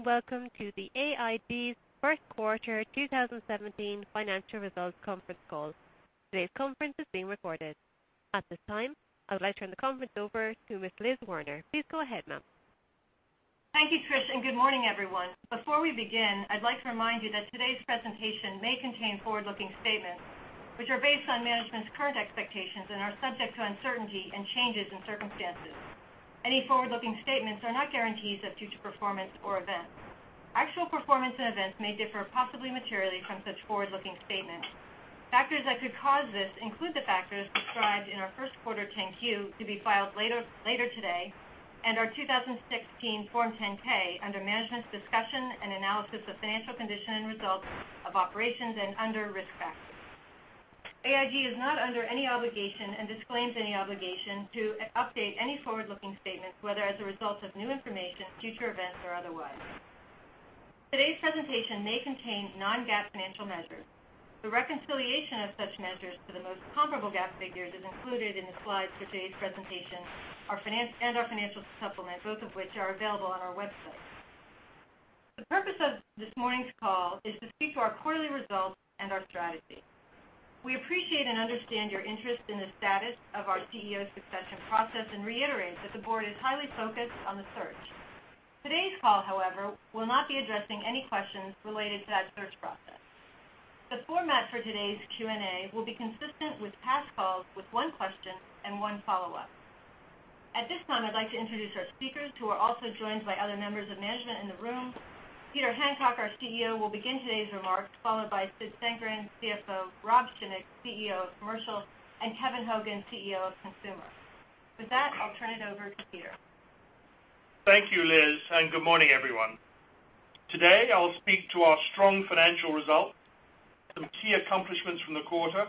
Good day, and welcome to AIG's first quarter 2017 financial results conference call. Today's conference is being recorded. At this time, I would like to turn the conference over to Ms. Liz Werner. Please go ahead, ma'am. Thank you, Trish, and good morning, everyone. Before we begin, I'd like to remind you that today's presentation may contain forward-looking statements which are based on management's current expectations and are subject to uncertainty and changes in circumstances. Any forward-looking statements are not guarantees of future performance or events. Actual performance and events may differ possibly materially from such forward-looking statements. Factors that could cause this include the factors described in our first quarter 10-Q to be filed later today, and our 2016 Form 10-K under management's discussion and analysis of financial condition and results of operations and under risk factors. AIG is not under any obligation and disclaims any obligation to update any forward-looking statements, whether as a result of new information, future events, or otherwise. Today's presentation may contain non-GAAP financial measures. The reconciliation of such measures to the most comparable GAAP figures is included in the slides for today's presentation and our financial supplement, both of which are available on our website. The purpose of this morning's call is to speak to our quarterly results and our strategy. We appreciate and understand your interest in the status of our CEO succession process and reiterate that the board is highly focused on the search. Today's call, however, will not be addressing any questions related to that search process. The format for today's Q&A will be consistent with past calls with one question and one follow-up. At this time, I'd like to introduce our speakers who are also joined by other members of management in the room. Peter Hancock, our CEO, will begin today's remarks, followed by Sid Sankaran, CFO, Rob Schimek, CEO of Commercial, and Kevin Hogan, CEO of Consumer. With that, I'll turn it over to Peter. Thank you, Liz, good morning, everyone. Today, I will speak to our strong financial results, some key accomplishments from the quarter,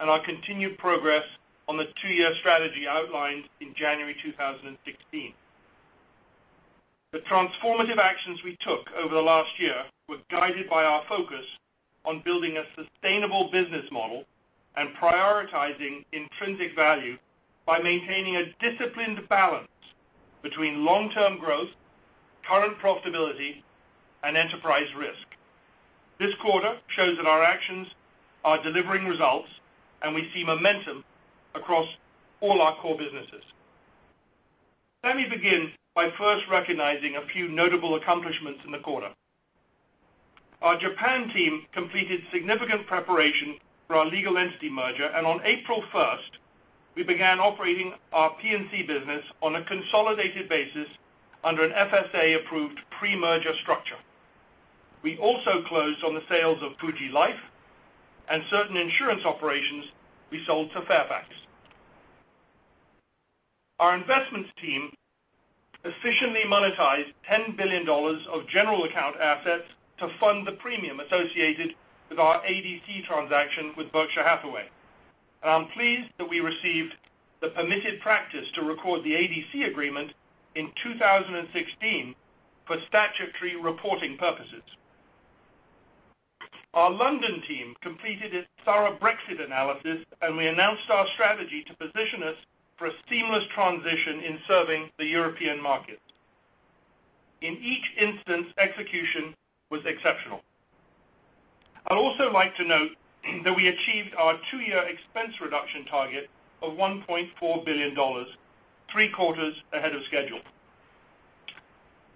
and our continued progress on the 2-year strategy outlined in January 2016. The transformative actions we took over the last year were guided by our focus on building a sustainable business model and prioritizing intrinsic value by maintaining a disciplined balance between long-term growth, current profitability, and enterprise risk. This quarter shows that our actions are delivering results, and we see momentum across all our core businesses. Let me begin by first recognizing a few notable accomplishments in the quarter. Our Japan team completed significant preparation for our legal entity merger, and on April 1st, we began operating our P&C business on a consolidated basis under an FSA-approved pre-merger structure. We also closed on the sales of Fuji Life and certain insurance operations we sold to Fairfax. Our investments team efficiently monetized $10 billion of general account assets to fund the premium associated with our ADC transaction with Berkshire Hathaway. I'm pleased that we received the permitted practice to record the ADC agreement in 2016 for statutory reporting purposes. Our London team completed its thorough Brexit analysis, and we announced our strategy to position us for a seamless transition in serving the European market. In each instance, execution was exceptional. I'd also like to note that we achieved our 2-year expense reduction target of $1.4 billion, three quarters ahead of schedule.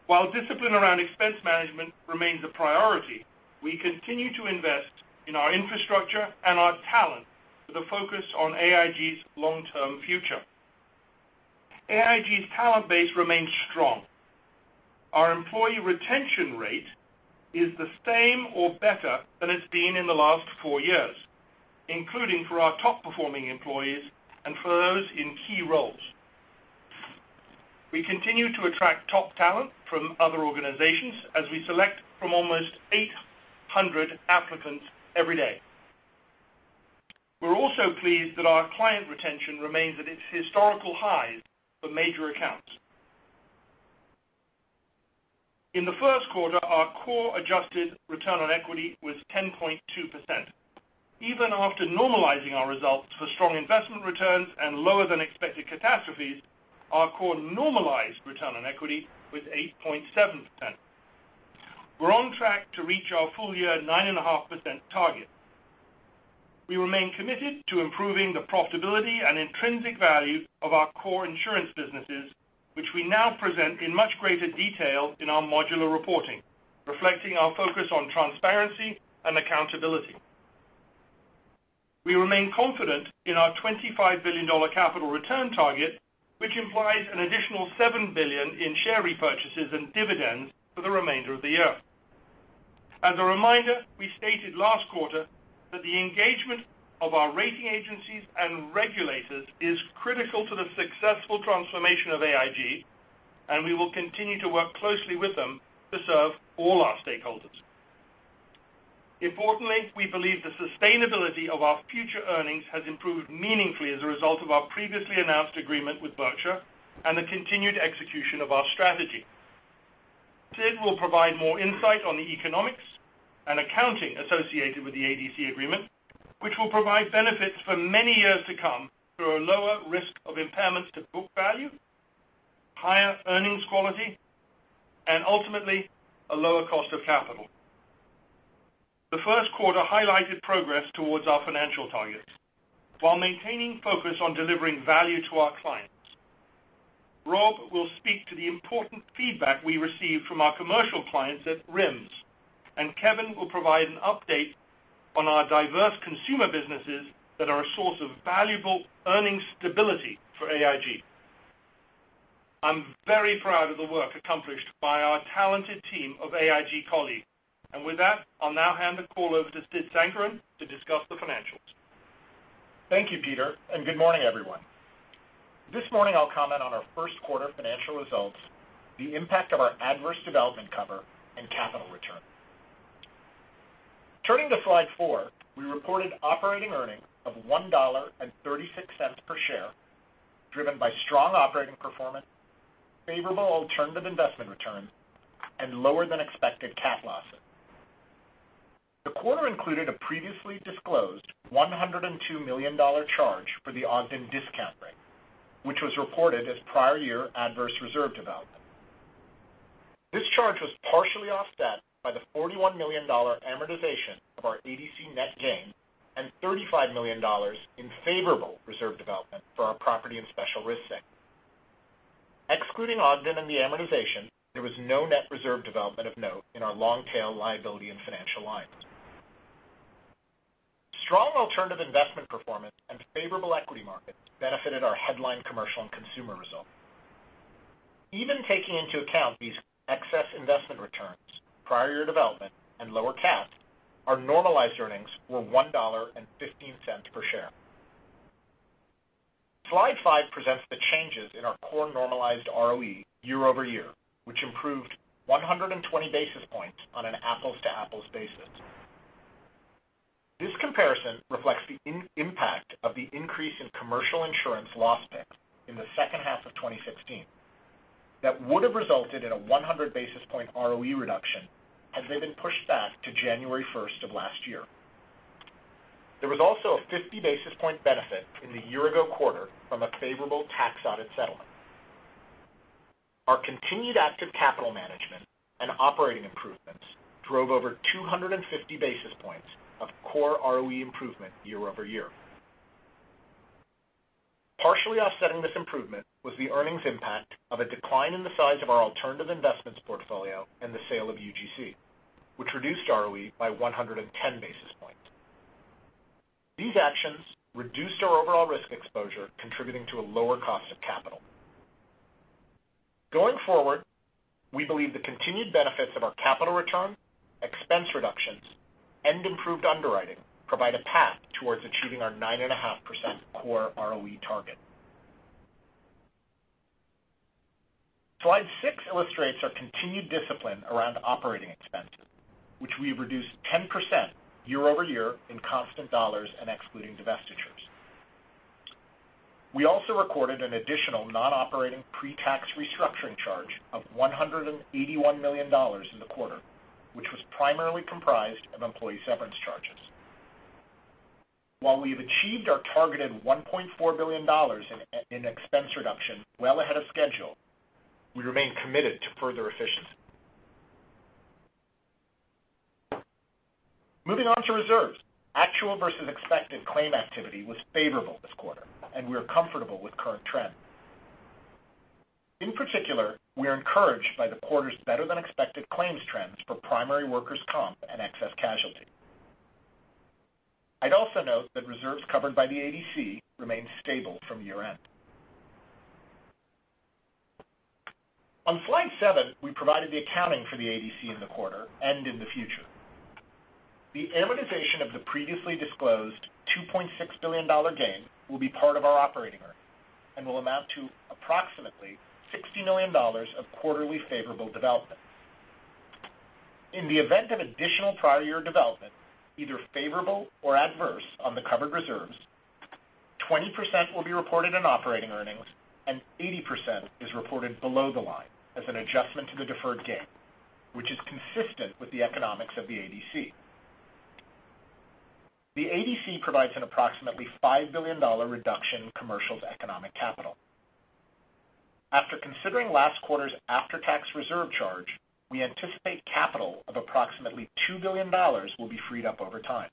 While discipline around expense management remains a priority, we continue to invest in our infrastructure and our talent with a focus on AIG's long-term future. AIG's talent base remains strong. Our employee retention rate is the same or better than it's been in the last four years, including for our top-performing employees and for those in key roles. We continue to attract top talent from other organizations as we select from almost 800 applicants every day. We're also pleased that our client retention remains at its historical highs for major accounts. In the 1st quarter, our core adjusted return on equity was 10.2%. Even after normalizing our results for strong investment returns and lower than expected catastrophes, our core normalized return on equity was 8.7%. We're on track to reach our full year 9.5% target. We remain committed to improving the profitability and intrinsic value of our core insurance businesses, which we now present in much greater detail in our modular reporting, reflecting our focus on transparency and accountability. We remain confident in our $25 billion capital return target, which implies an additional $7 billion in share repurchases and dividends for the remainder of the year. As a reminder, we stated last quarter that the engagement of our rating agencies and regulators is critical to the successful transformation of AIG, and we will continue to work closely with them to serve all our stakeholders. Importantly, we believe the sustainability of our future earnings has improved meaningfully as a result of our previously announced agreement with Berkshire and the continued execution of our strategy. Sid will provide more insight on the economics Accounting associated with the ADC agreement, which will provide benefits for many years to come through a lower risk of impairments to book value, higher earnings quality, and ultimately a lower cost of capital. The first quarter highlighted progress towards our financial targets while maintaining focus on delivering value to our clients. Rob will speak to the important feedback we received from our commercial clients at RIMS, and Kevin will provide an update on our diverse consumer businesses that are a source of valuable earnings stability for AIG. I'm very proud of the work accomplished by our talented team of AIG colleagues. With that, I'll now hand the call over to Sid Sankaran to discuss the financials. Thank you, Peter, and good morning, everyone. This morning I'll comment on our first quarter financial results, the impact of our adverse development cover, and capital return. Turning to slide four, we reported operating earnings of $1.36 per share, driven by strong operating performance, favorable alternative investment returns, and lower than expected CAT losses. The quarter included a previously disclosed $102 million charge for the Ogden discount rate, which was reported as prior year adverse reserve development. This charge was partially offset by the $41 million amortization of our ADC net gain and $35 million in favorable reserve development for our property and special risk segment. Excluding Ogden and the amortization, there was no net reserve development of note in our long tail liability and financial lines. Strong alternative investment performance and favorable equity markets benefited our headline commercial and consumer results. Even taking into account these excess investment returns, prior year development and lower CAT, our normalized earnings were $1.15 per share. Slide five presents the changes in our core normalized ROE year-over-year, which improved 120 basis points on an apples-to-apples basis. This comparison reflects the impact of the increase in commercial insurance loss picks in the second half of 2016 that would have resulted in a 100 basis point ROE reduction had they been pushed back to January 1st of last year. There was also a 50 basis point benefit in the year-ago quarter from a favorable tax audit settlement. Our continued active capital management and operating improvements drove over 250 basis points of core ROE improvement year-over-year. Partially offsetting this improvement was the earnings impact of a decline in the size of our alternative investments portfolio and the sale of UGC, which reduced ROE by 110 basis points. These actions reduced our overall risk exposure, contributing to a lower cost of capital. Going forward, we believe the continued benefits of our capital return, expense reductions, and improved underwriting provide a path towards achieving our 9.5% core ROE target. Slide six illustrates our continued discipline around operating expenses, which we've reduced 10% year-over-year in constant dollars and excluding divestitures. We also recorded an additional non-operating pre-tax restructuring charge of $181 million in the quarter, which was primarily comprised of employee severance charges. While we have achieved our targeted $1.4 billion in expense reduction well ahead of schedule, we remain committed to further efficiency. Moving on to reserves. Actual versus expected claim activity was favorable this quarter, and we are comfortable with current trends. In particular, we are encouraged by the quarter's better-than-expected claims trends for primary workers' comp and excess casualty. I'd also note that reserves covered by the ADC remain stable from year-end. On slide seven, we provided the accounting for the ADC in the quarter and in the future. The amortization of the previously disclosed $2.6 billion gain will be part of our operating earnings and will amount to approximately $60 million of quarterly favorable development. In the event of additional prior year development, either favorable or adverse on the covered reserves, 20% will be reported in operating earnings and 80% is reported below the line as an adjustment to the deferred gain, which is consistent with the economics of the ADC. The ADC provides an approximately $5 billion reduction in commercial's economic capital. After considering last quarter's after-tax reserve charge, we anticipate capital of approximately $2 billion will be freed up over time.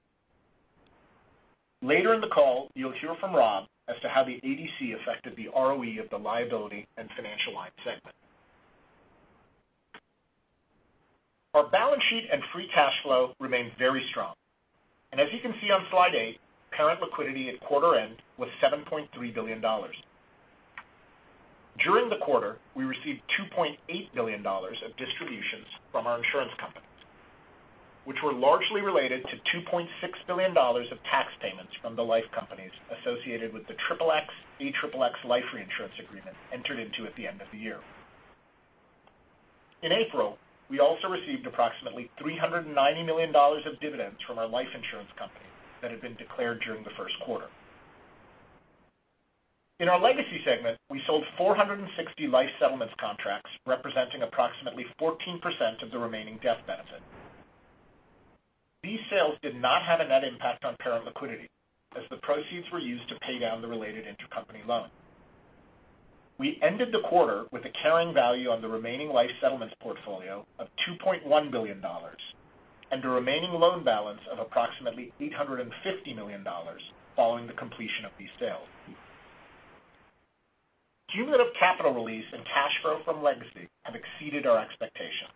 Later in the call, you'll hear from Rob as to how the ADC affected the ROE of the liability and financial line segment. Our balance sheet and free cash flow remain very strong. As you can see on slide eight, current liquidity at quarter end was $7.3 billion. During the quarter, we received $2.8 billion of distributions from our insurance companies, which were largely related to $2.6 billion of tax payments from the life companies associated with the XXX AXXX life reinsurance agreement entered into at the end of the year. In April, we also received approximately $390 million of dividends from our life insurance company that had been declared during the first quarter. In our legacy segment, we sold 460 life settlements contracts, representing approximately 14% of the remaining death benefit. These sales did not have a net impact on parent liquidity, as the proceeds were used to pay down the related intercompany loan. We ended the quarter with a carrying value on the remaining life settlements portfolio of $2.1 billion and a remaining loan balance of approximately $850 million following the completion of these sales. Cumulative capital release and cash flow from legacy have exceeded our expectations.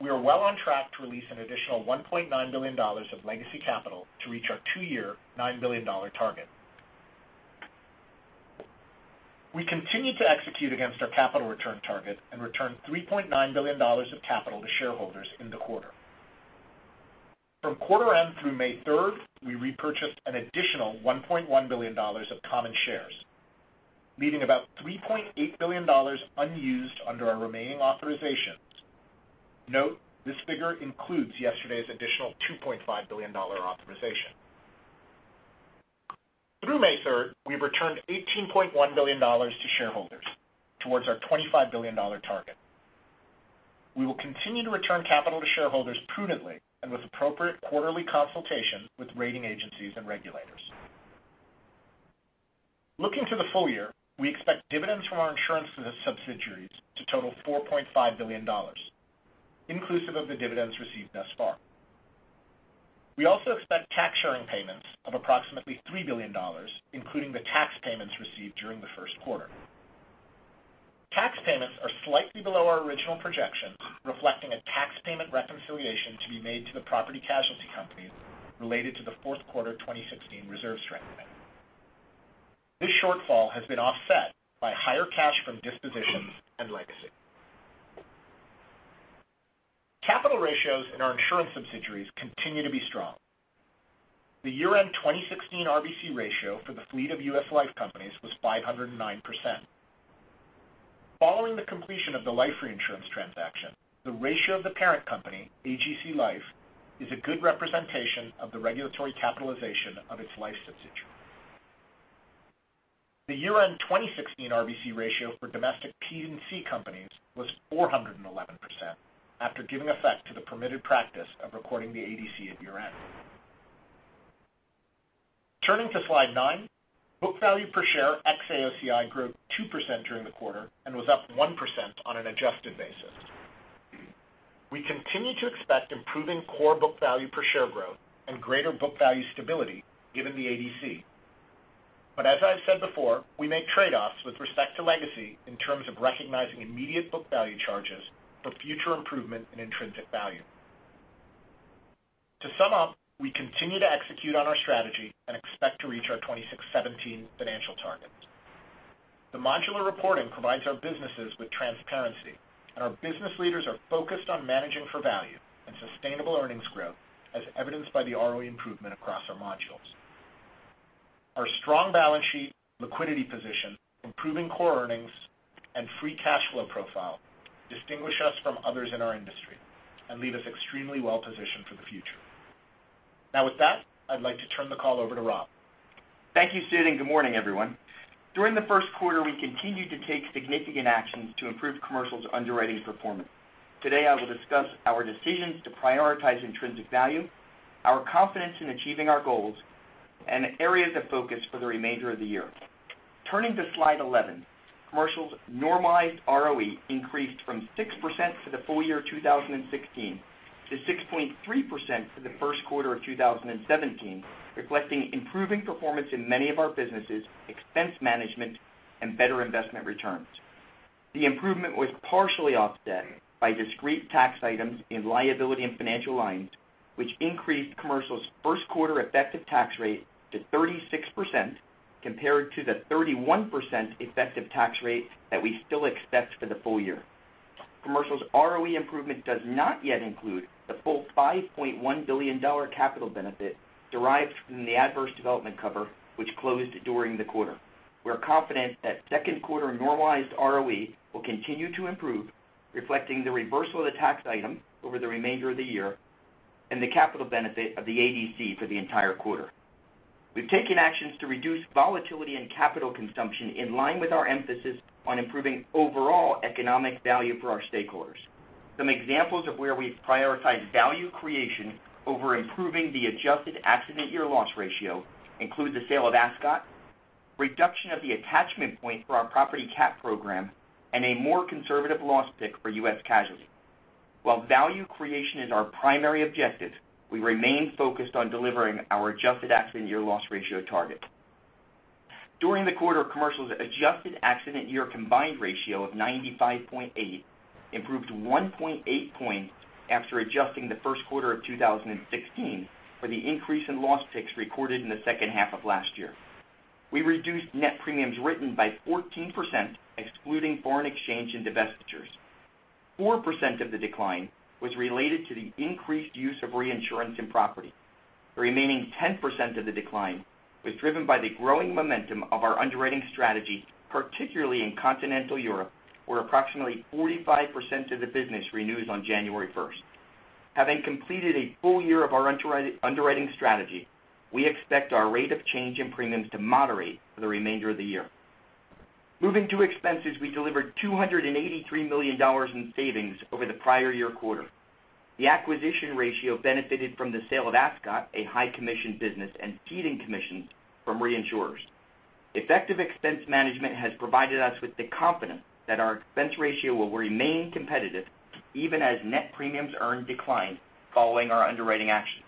We are well on track to release an additional $1.9 billion of legacy capital to reach our two-year $9 billion target. We continue to execute against our capital return target and return $3.9 billion of capital to shareholders in the quarter. From quarter end through May 3rd, we repurchased an additional $1.1 billion of common shares, leaving about $3.8 billion unused under our remaining authorizations. Note, this figure includes yesterday's additional $2.5 billion authorization. Through May 3rd, we've returned $18.1 billion to shareholders towards our $25 billion target. We will continue to return capital to shareholders prudently and with appropriate quarterly consultation with rating agencies and regulators. Looking to the full year, we expect dividends from our insurance subsidiaries to total $4.5 billion, inclusive of the dividends received thus far. We also expect tax sharing payments of approximately $3 billion, including the tax payments received during the first quarter. Tax payments are slightly below our original projections, reflecting a tax payment reconciliation to be made to the property casualty companies related to the fourth quarter 2016 reserve strengthening. This shortfall has been offset by higher cash from dispositions and legacy. Capital ratios in our insurance subsidiaries continue to be strong. The year-end 2016 RBC ratio for the fleet of U.S. life companies was 509%. Following the completion of the life reinsurance transaction, the ratio of the parent company, AGC Life, is a good representation of the regulatory capitalization of its life subsidiary. The year-end 2016 RBC ratio for domestic P&C companies was 411% after giving effect to the permitted practice of recording the ADC at year-end. Turning to slide nine, book value per share ex-AOCI grew 2% during the quarter and was up 1% on an adjusted basis. We continue to expect improving core book value per share growth and greater book value stability given the ADC. As I've said before, we make trade-offs with respect to legacy in terms of recognizing immediate book value charges for future improvement in intrinsic value. To sum up, we continue to execute on our strategy and expect to reach our 2017 financial targets. The modular reporting provides our businesses with transparency, our business leaders are focused on managing for value and sustainable earnings growth, as evidenced by the ROE improvement across our modules. Our strong balance sheet, liquidity position, improving core earnings, and free cash flow profile distinguish us from others in our industry and leave us extremely well-positioned for the future. Now with that, I'd like to turn the call over to Rob. Thank you, Sid, good morning, everyone. During the first quarter, we continued to take significant actions to improve Commercial's underwriting performance. Today, I will discuss our decisions to prioritize intrinsic value, our confidence in achieving our goals, and areas of focus for the remainder of the year. Turning to slide 11, Commercial's normalized ROE increased from 6% for the full year 2016 to 6.3% for the first quarter of 2017, reflecting improving performance in many of our businesses, expense management, and better investment returns. The improvement was partially offset by discrete tax items in liability and financial lines, which increased Commercial's first quarter effective tax rate to 36% compared to the 31% effective tax rate that we still expect for the full year. Commercial's ROE improvement does not yet include the full $5.1 billion capital benefit derived from the adverse development cover, which closed during the quarter. We're confident that second quarter normalized ROE will continue to improve, reflecting the reversal of the tax item over the remainder of the year and the capital benefit of the ADC for the entire quarter. We've taken actions to reduce volatility and capital consumption in line with our emphasis on improving overall economic value for our stakeholders. Some examples of where we've prioritized value creation over improving the adjusted accident year loss ratio include the sale of Ascot, reduction of the attachment point for our property CAT program, and a more conservative loss pick for U.S. casualty. While value creation is our primary objective, we remain focused on delivering our adjusted accident year loss ratio target. During the quarter, Commercial's adjusted accident year combined ratio of 95.8 improved 1.8 points after adjusting the first quarter of 2016 for the increase in loss picks recorded in the second half of last year. We reduced net premiums written by 14%, excluding foreign exchange and divestitures. 4% of the decline was related to the increased use of reinsurance and property. The remaining 10% of the decline was driven by the growing momentum of our underwriting strategy, particularly in Continental Europe, where approximately 45% of the business renews on January 1st. Having completed a full year of our underwriting strategy, we expect our rate of change in premiums to moderate for the remainder of the year. Moving to expenses, we delivered $283 million in savings over the prior year quarter. The acquisition ratio benefited from the sale of Ascot, a high commission business, and ceding commissions from reinsurers. Effective expense management has provided us with the confidence that our expense ratio will remain competitive even as net premiums earned decline following our underwriting actions.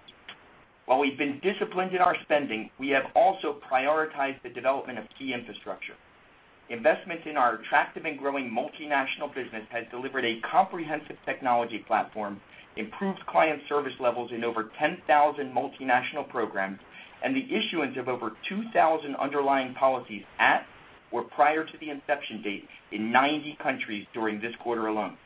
While we've been disciplined in our spending, we have also prioritized the development of key infrastructure. Investments in our attractive and growing multinational business has delivered a comprehensive technology platform, improved client service levels in over 10,000 multinational programs, and the issuance of over 2,000 underlying policies at or prior to the inception date in 90 countries during this quarter alone.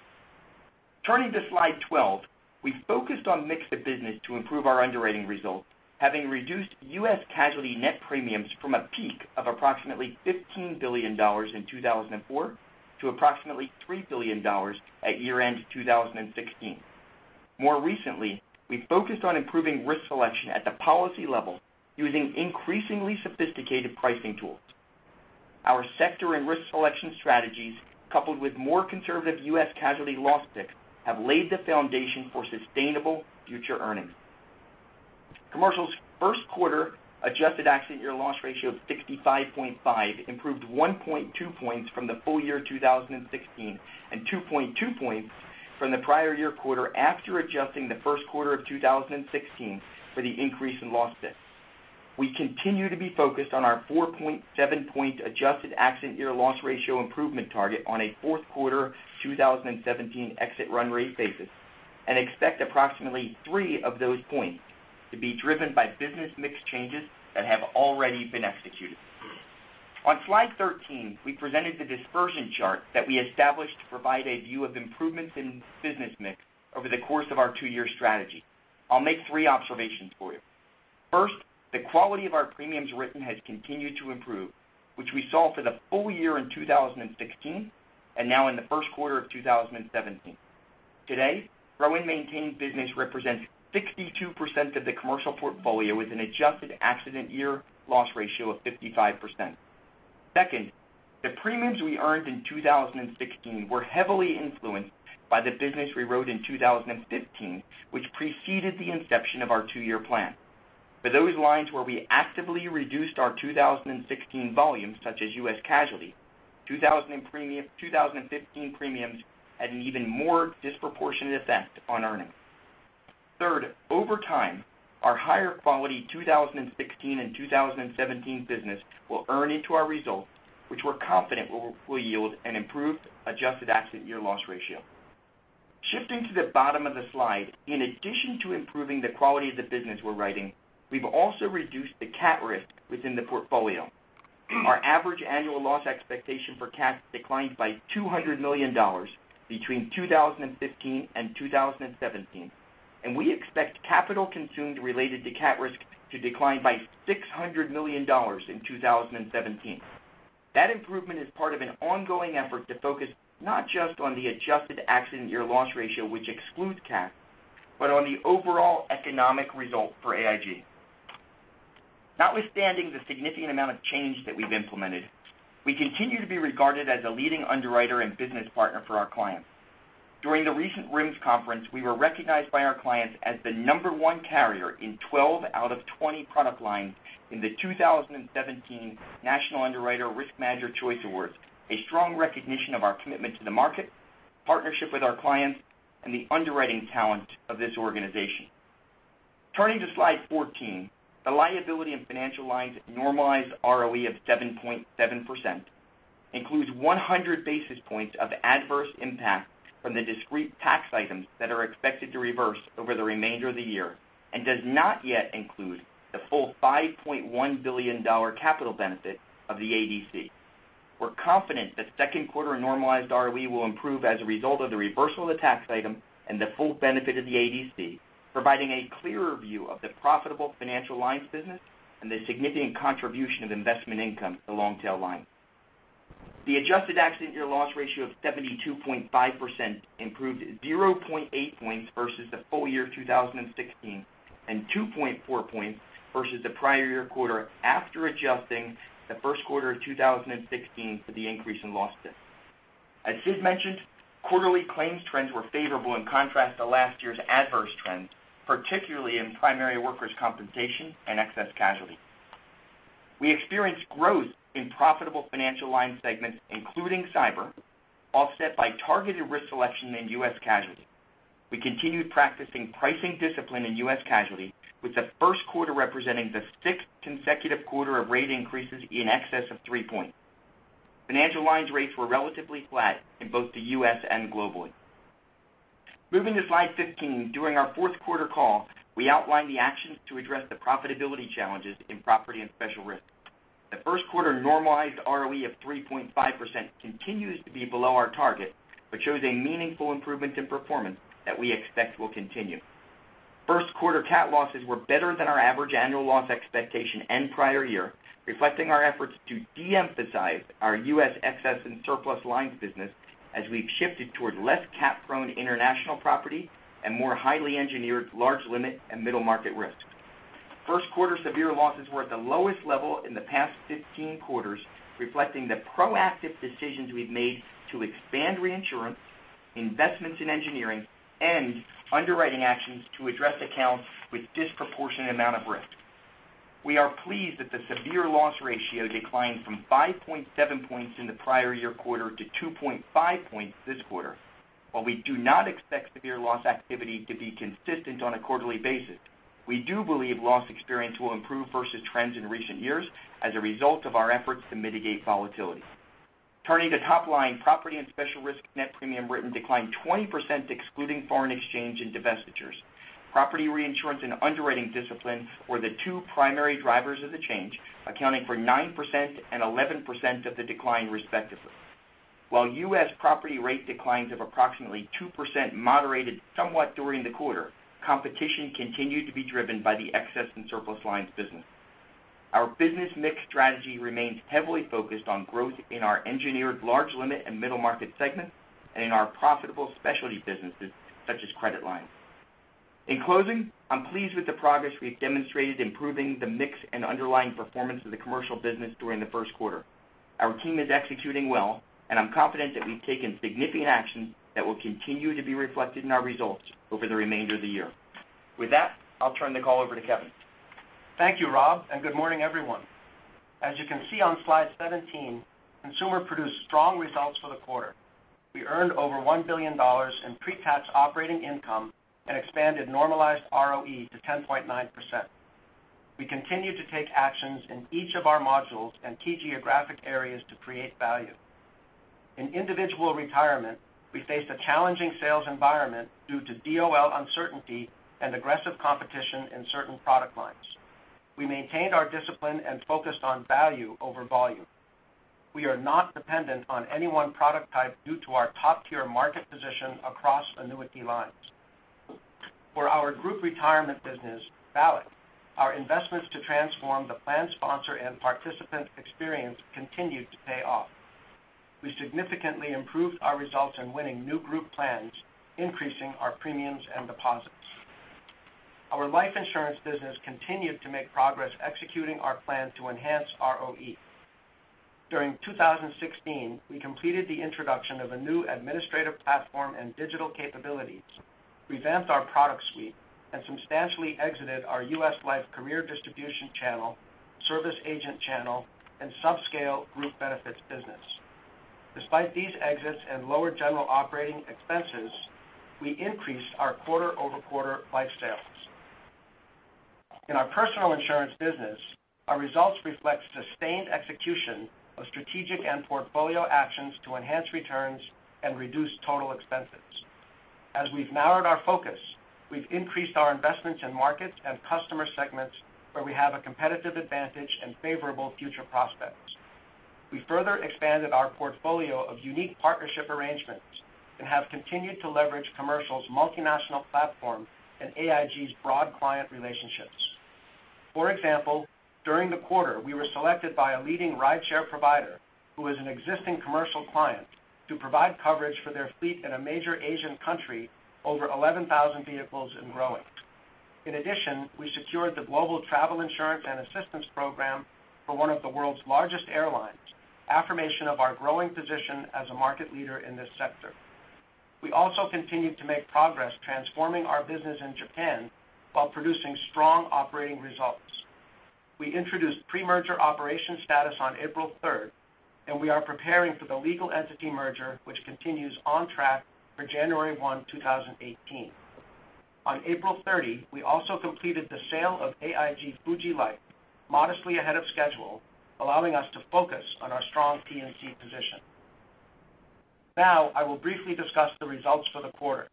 Turning to slide 12. We've focused on mix of business to improve our underwriting results, having reduced U.S. casualty net premiums from a peak of approximately $15 billion in 2004 to approximately $3 billion at year-end 2016. More recently, we've focused on improving risk selection at the policy level using increasingly sophisticated pricing tools. Our sector and risk selection strategies, coupled with more conservative U.S. casualty loss picks, have laid the foundation for sustainable future earnings. Commercial's first quarter adjusted accident year loss ratio of 65.5 improved 1.2 points from the full year 2016, and 2.2 points from the prior year quarter after adjusting the first quarter of 2016 for the increase in loss pick. We continue to be focused on our 4.7 point adjusted accident year loss ratio improvement target on a fourth quarter 2017 exit run rate basis, and expect approximately three of those points to be driven by business mix changes that have already been executed. On slide 13, we presented the dispersion chart that we established to provide a view of improvements in business mix over the course of our two-year strategy. I'll make three observations for you. First, the quality of our premiums written has continued to improve, which we saw for the full year in 2016 and now in the first quarter of 2017. Today, growing maintained business represents 62% of the commercial portfolio with an adjusted accident year loss ratio of 55%. Second, the premiums we earned in 2016 were heavily influenced by the business we wrote in 2015, which preceded the inception of our two-year plan. For those lines where we actively reduced our 2016 volumes, such as U.S. casualty, 2015 premiums had an even more disproportionate effect on earnings. Third, over time, our higher quality 2016 and 2017 business will earn into our results, which we're confident will yield an improved adjusted accident year loss ratio. Shifting to the bottom of the slide, in addition to improving the quality of the business we're writing, we've also reduced the CAT risk within the portfolio. Our average annual loss expectation for CAT declined by $200 million between 2015 and 2017. We expect capital consumed related to CAT risk to decline by $600 million in 2017. That improvement is part of an ongoing effort to focus not just on the adjusted accident year loss ratio, which excludes CAT, but on the overall economic result for AIG. Notwithstanding the significant amount of change that we've implemented, we continue to be regarded as a leading underwriter and business partner for our clients. During the recent RIMS conference, we were recognized by our clients as the number one carrier in 12 out of 20 product lines in the 2017 National Underwriter Risk Manager Choice Awards, a strong recognition of our commitment to the market, partnership with our clients, and the underwriting talent of this organization. Turning to slide 14. The liability and financial lines normalized ROE of 7.7% includes 100 basis points of adverse impact from the discrete tax items that are expected to reverse over the remainder of the year. Does not yet include the full $5.1 billion capital benefit of the ADC. We're confident that second quarter normalized ROE will improve as a result of the reversal of the tax item and the full benefit of the ADC, providing a clearer view of the profitable financial lines business and the significant contribution of investment income to long tail lines. The adjusted accident year loss ratio of 72.5% improved 0.8 points versus the full year 2016, 2.4 points versus the prior year quarter after adjusting the first quarter of 2016 for the increase in loss pick. As Sid mentioned, quarterly claims trends were favorable in contrast to last year's adverse trends, particularly in primary workers' compensation and excess casualty. We experienced growth in profitable financial line segments, including cyber, offset by targeted risk selection in U.S. casualty. We continued practicing pricing discipline in U.S. casualty, with the first quarter representing the sixth consecutive quarter of rate increases in excess of three points. Financial lines rates were relatively flat in both the U.S. and globally. Moving to slide 15. During our fourth quarter call, we outlined the actions to address the profitability challenges in property and special risk. The first quarter normalized ROE of 3.5% continues to be below our target, but shows a meaningful improvement in performance that we expect will continue. First quarter CAT losses were better than our average annual loss expectation and prior year, reflecting our efforts to de-emphasize our U.S. excess and surplus lines business as we've shifted toward less CAT-prone international property and more highly engineered large limit and middle market risk. First quarter severe losses were at the lowest level in the past 15 quarters, reflecting the proactive decisions we've made to expand reinsurance, investments in engineering, and underwriting actions to address accounts with disproportionate amount of risk. We are pleased that the severe loss ratio declined from 5.7 points in the prior year quarter to 2.5 points this quarter. While we do not expect severe loss activity to be consistent on a quarterly basis, we do believe loss experience will improve versus trends in recent years as a result of our efforts to mitigate volatility. Turning to top line, property and special risk net premium written declined 20%, excluding foreign exchange and divestitures. Property reinsurance and underwriting discipline were the two primary drivers of the change, accounting for 9% and 11% of the decline, respectively. While U.S. property rate declines of approximately 2% moderated somewhat during the quarter, competition continued to be driven by the excess and surplus lines business. Our business mix strategy remains heavily focused on growth in our engineered large limit and middle market segments and in our profitable specialty businesses such as credit lines. In closing, I'm pleased with the progress we've demonstrated improving the mix and underlying performance of the Commercial business during the first quarter. Our team is executing well, and I'm confident that we've taken significant action that will continue to be reflected in our results over the remainder of the year. With that, I'll turn the call over to Kevin. Thank you, Rob. Good morning, everyone. As you can see on slide 17, Consumer produced strong results for the quarter. We earned over $1 billion in Pre-Tax Operating Income and expanded normalized ROE to 10.9%. We continue to take actions in each of our modules and key geographic areas to create value. In Individual Retirement, we faced a challenging sales environment due to DOL uncertainty and aggressive competition in certain product lines. We maintained our discipline and focused on value over volume. We are not dependent on any one product type due to our top-tier market position across annuity lines. For our Group Retirement business, VALIC, our investments to transform the plan sponsor and participant experience continued to pay off. We significantly improved our results in winning new group plans, increasing our premiums and deposits. Our Life Insurance business continued to make progress executing our plan to enhance ROE. During 2016, we completed the introduction of a new administrative platform and digital capabilities, revamped our product suite, and substantially exited our U.S. Life career distribution channel, service agent channel, and subscale group benefits business. Despite these exits and lower general operating expenses, we increased our quarter-over-quarter life sales. In our Personal Insurance business, our results reflect sustained execution of strategic and portfolio actions to enhance returns and reduce total expenses. As we've narrowed our focus, we've increased our investments in markets and customer segments where we have a competitive advantage and favorable future prospects. We further expanded our portfolio of unique partnership arrangements and have continued to leverage Commercial's multinational platform and AIG's broad client relationships. For example, during the quarter, we were selected by a leading rideshare provider who is an existing commercial client to provide coverage for their fleet in a major Asian country, over 11,000 vehicles and growing. In addition, we secured the global travel insurance and assistance program for one of the world's largest airlines, affirmation of our growing position as a market leader in this sector. We also continued to make progress transforming our business in Japan while producing strong operating results. We introduced pre-merger operation status on April 3rd, and we are preparing for the legal entity merger, which continues on track for January 1, 2018. On April 30, we also completed the sale of AIG Fuji Life modestly ahead of schedule, allowing us to focus on our strong P&C position. I will briefly discuss the results for the quarter.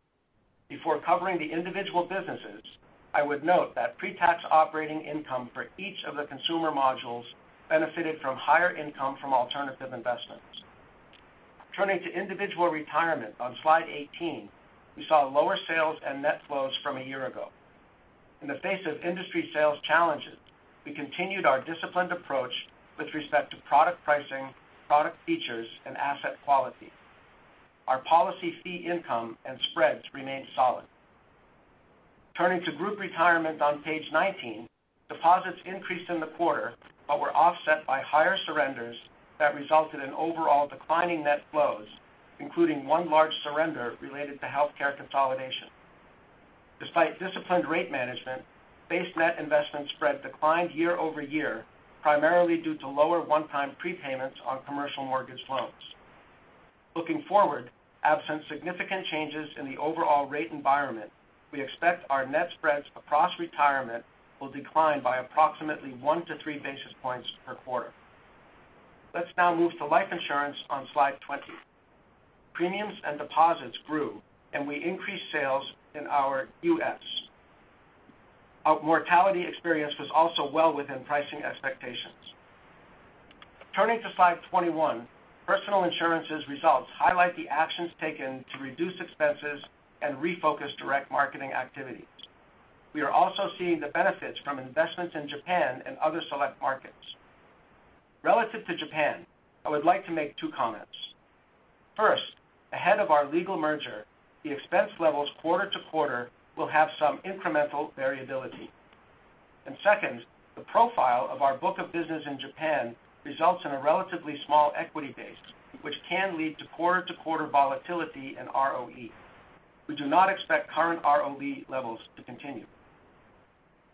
Before covering the individual businesses, I would note that Pre-Tax Operating Income for each of the consumer modules benefited from higher income from alternative investments. Turning to Individual Retirement on slide 18, we saw lower sales and net flows from a year ago. In the face of industry sales challenges, we continued our disciplined approach with respect to product pricing, product features, and asset quality. Our policy fee income and spreads remained solid. Turning to Group Retirement on page 19, deposits increased in the quarter but were offset by higher surrenders that resulted in overall declining net flows, including one large surrender related to healthcare consolidation. Despite disciplined rate management, base net investment spread declined year-over-year, primarily due to lower one-time prepayments on commercial mortgage loans. Looking forward, absent significant changes in the overall rate environment, we expect our net spreads across Retirement will decline by approximately one to three basis points per quarter. Let's now move to Life Insurance on slide 20. Premiums and deposits grew, and we increased sales in our U.S. Our mortality experience was also well within pricing expectations. Turning to slide 21, Personal Insurance's results highlight the actions taken to reduce expenses and refocus direct marketing activities. We are also seeing the benefits from investments in Japan and other select markets. Relative to Japan, I would like to make two comments. First, ahead of our legal merger, the expense levels quarter-to-quarter will have some incremental variability. Second, the profile of our book of business in Japan results in a relatively small equity base, which can lead to quarter-to-quarter volatility in ROE. We do not expect current ROE levels to continue.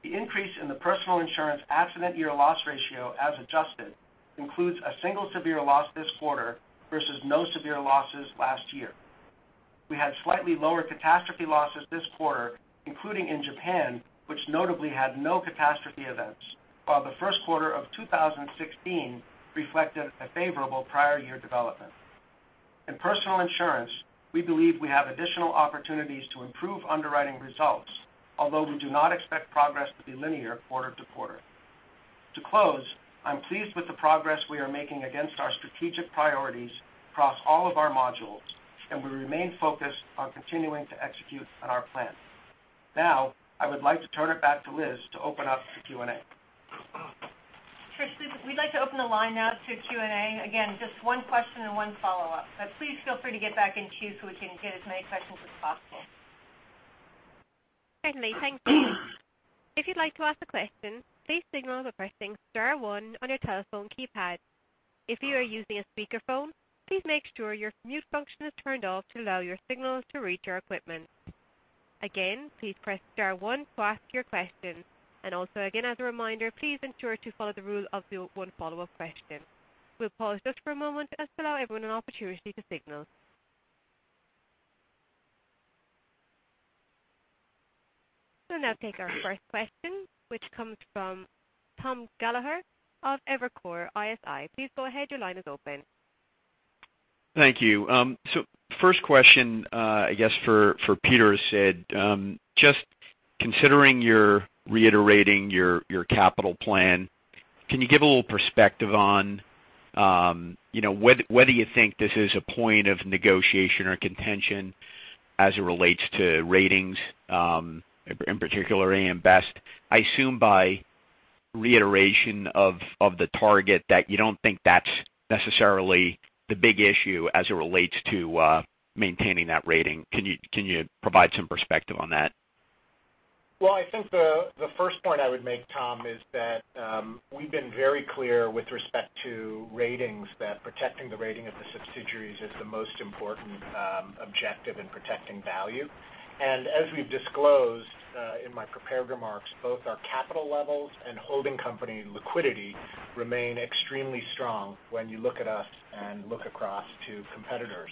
The increase in the Personal Insurance accident year loss ratio as adjusted, includes a single severe loss this quarter versus no severe losses last year. We had slightly lower catastrophe losses this quarter, including in Japan, which notably had no catastrophe events, while the first quarter of 2016 reflected a favorable prior year development. In Personal Insurance, we believe we have additional opportunities to improve underwriting results, although we do not expect progress to be linear quarter to quarter. To close, I'm pleased with the progress we are making against our strategic priorities across all of our modules, and we remain focused on continuing to execute on our plan. I would like to turn it back to Liz to open up to Q&A. Trish, we'd like to open the line now to Q&A. Again, just one question and one follow-up. Please feel free to get back in queue so we can get as many questions as possible. Certainly. Thank you. If you'd like to ask a question, please signal by pressing star 1 on your telephone keypad. If you are using a speakerphone, please make sure your mute function is turned off to allow your signal to reach our equipment. Again, please press star 1 to ask your question. Also again as a reminder, please ensure to follow the rule of the one follow-up question. We'll pause just for a moment just to allow everyone an opportunity to signal. We'll now take our first question, which comes from Thomas Gallagher of Evercore ISI. Please go ahead. Your line is open. Thank you. First question, I guess for Peter, is Sid, just considering you're reiterating your capital plan, can you give a little perspective on whether you think this is a point of negotiation or contention as it relates to ratings, in particular AM Best? I assume by reiteration of the target that you don't think that's necessarily the big issue as it relates to maintaining that rating. Can you provide some perspective on that? Well, I think the first point I would make, Tom, is that we've been very clear with respect to ratings, that protecting the rating of the subsidiaries is the most important objective in protecting value. As we've disclosed in my prepared remarks, both our capital levels and holding company liquidity remain extremely strong when you look at us and look across to competitors.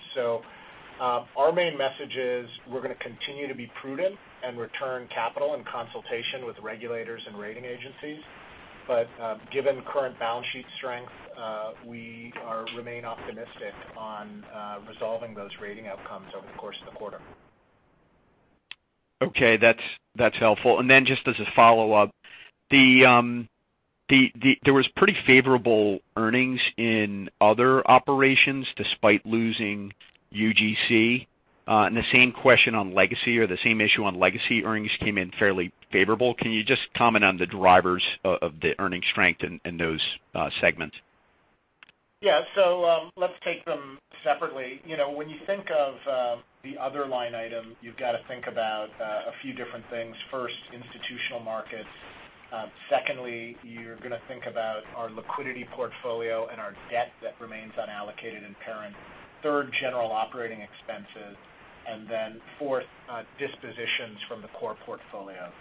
Our main message is we're going to continue to be prudent and return capital in consultation with regulators and rating agencies. Given current balance sheet strength, we remain optimistic on resolving those rating outcomes over the course of the quarter. Okay. That's helpful. Just as a follow-up, there was pretty favorable earnings in other operations despite losing UGC. The same question on legacy or the same issue on legacy earnings came in fairly favorable. Can you just comment on the drivers of the earnings strength in those segments? Yeah. So let's take them separately. When you think of the other line item, you've got to think about a few different things. First, institutional markets. Secondly, you're going to think about our liquidity portfolio and our debt that remains unallocated in parent. Third, general operating expenses, and then fourth, dispositions from the core portfolio.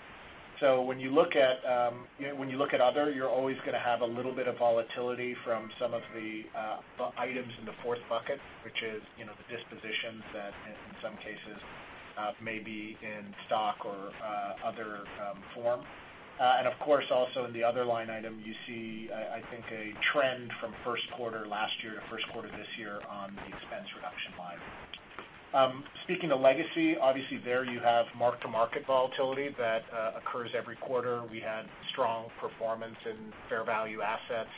When you look at other, you're always going to have a little bit of volatility from some of the items in the fourth bucket, which is the dispositions that in some cases may be in stock or other form. Of course, also in the other line item, you see I think a trend from first quarter last year to first quarter this year on the expense reduction line. Speaking of legacy, obviously there you have mark-to-market volatility that occurs every quarter. We had strong performance in fair value assets.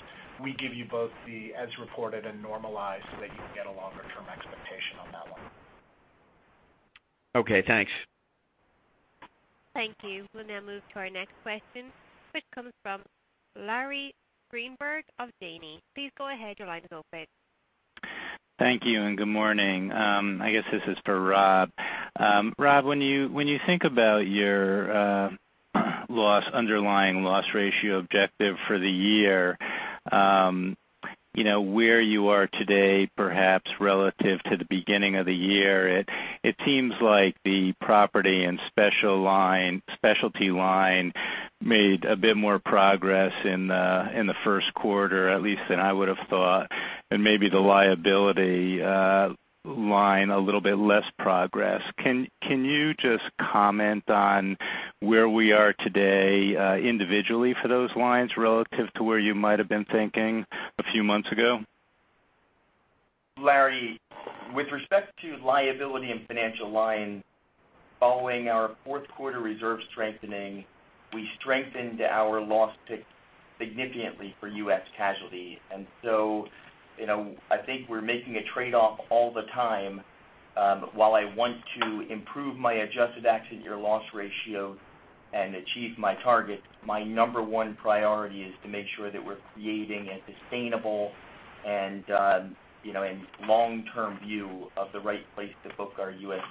We give you both the as reported and normalized so that you can get a longer-term expectation on that one. Okay, thanks. Thank you. We'll now move to our next question, which comes from Larry Greenberg of Janney. Please go ahead. Your line is open. Thank you and good morning. I guess this is for Rob. Rob, when you think about your underlying loss ratio objective for the year, where you are today perhaps relative to the beginning of the year, it seems like the property and specialty line made a bit more progress in the first quarter at least than I would have thought, and maybe the liability line, a little bit less progress. Can you just comment on where we are today individually for those lines relative to where you might have been thinking a few months ago? Larry, with respect to liability and financial line, following our fourth quarter reserve strengthening, we strengthened our loss pick significantly for U.S. Casualty. I think we're making a trade-off all the time. While I want to improve my adjusted accident year loss ratio and achieve my target, my number one priority is to make sure that we're creating a sustainable and long-term view of the right place to book our U.S.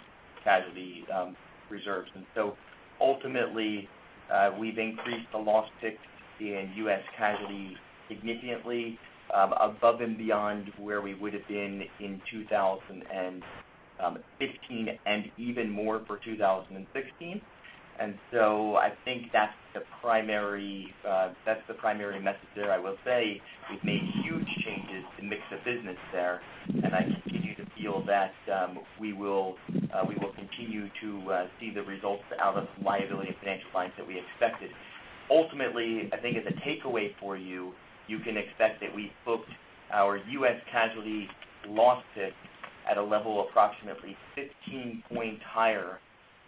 Casualty reserves. Ultimately, we've increased the loss pick in U.S. Casualty significantly above and beyond where we would've been in 2015, and even more for 2016. I think that's the primary message there. I will say we've made huge changes in mix of business there, and I continue to feel that we will continue to see the results out of liability and financial lines that we expected. Ultimately, I think as a takeaway for you can expect that we booked our U.S. Casualty loss pick at a level approximately 15 points higher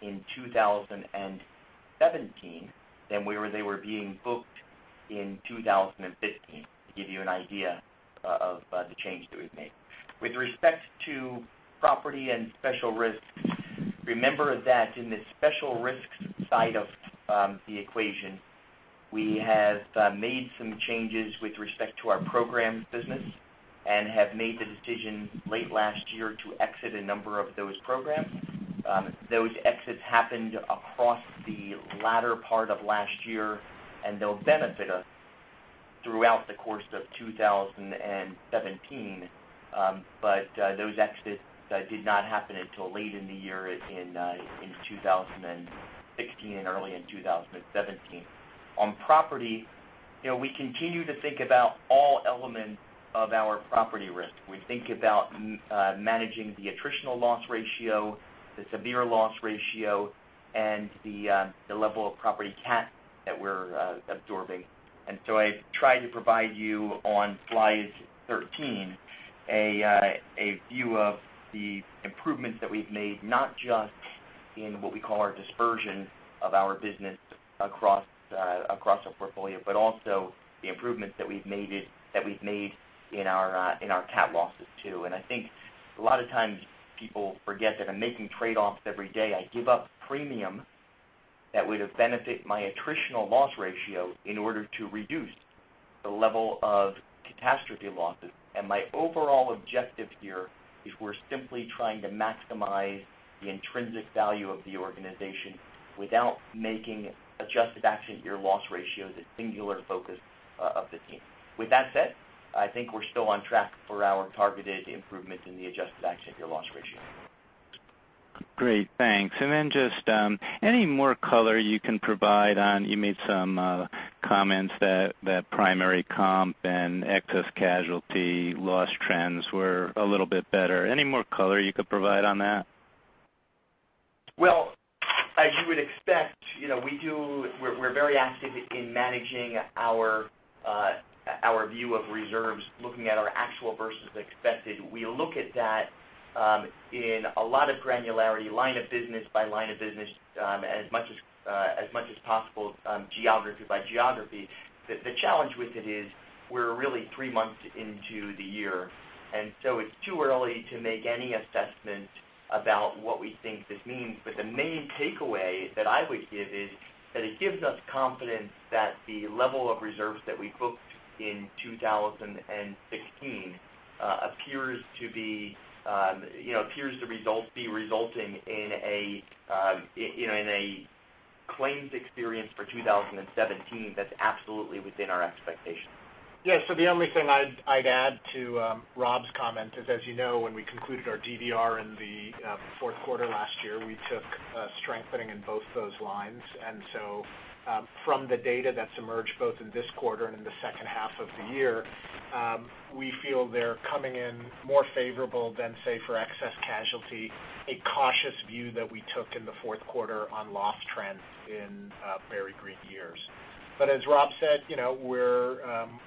in 2017 than where they were being booked in 2015, to give you an idea of the change that we've made. With respect to property and special risks, remember that in the special risks side of the equation, we have made some changes with respect to our program business and have made the decision late last year to exit a number of those programs. Those exits happened across the latter part of last year, they'll benefit us throughout the course of 2017. Those exits did not happen until late in the year in 2016 and early in 2017. On property, we continue to think about all elements of our property risk. We think about managing the attritional loss ratio, the severe loss ratio, and the level of property CAT that we're absorbing. I've tried to provide you on slide 13 a view of the improvements that we've made, not just in what we call our dispersion of our business across our portfolio, but also the improvements that we've made in our CAT losses, too. I think a lot of times people forget that I'm making trade-offs every day. I give up premium that would've benefited my attritional loss ratio in order to reduce the level of catastrophe losses. My overall objective here is we're simply trying to maximize the intrinsic value of the organization without making adjusted accident year loss ratio the singular focus of the team. With that said, I think we're still on track for our targeted improvements in the adjusted accident year loss ratio. Great, thanks. Just any more color you can provide on, you made some comments that primary comp and excess casualty loss trends were a little bit better. Any more color you could provide on that? As you would expect, we're very active in managing our view of reserves, looking at our actual versus expected. We look at that in a lot of granularity, line of business by line of business, as much as possible, geography by geography. The challenge with it is we're really three months into the year, it's too early to make any assessment about what we think this means. The main takeaway that I would give is that it gives us confidence that the level of reserves that we booked in 2016 appears to be resulting in a claims experience for 2017 that's absolutely within our expectations. The only thing I'd add to Rob's comment is, as you know, when we concluded our DDR in the fourth quarter last year, we took a strengthening in both those lines. From the data that's emerged both in this quarter and in the second half of the year, we feel they're coming in more favorable than, say, for excess casualty, a cautious view that we took in the fourth quarter on loss trends in very green years. As Rob said, we're